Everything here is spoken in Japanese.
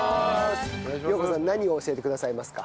陽子さん何を教えてくださいますか？